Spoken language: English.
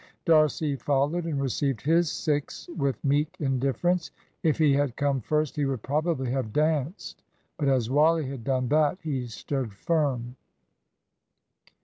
D'Arcy followed, and received his six with meek indifference. If he had come first, he would probably have danced. But as Wally had done that, he stood firm.